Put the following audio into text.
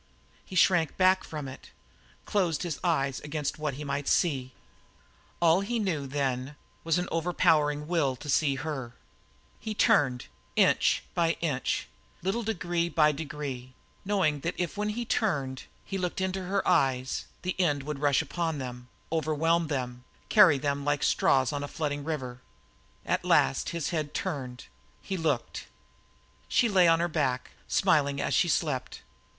He shrank back from it; closed his eyes against what he might see. All he knew, then, was an overpowering will to see her. He turned, inch by inch, little degree by degree, knowing that if, when he turned, he looked into her eyes, the end would rush upon them, overwhelm them, carry them along like straws on the flooding river. At last his head was turned; he looked. She lay on her back, smiling as she slept.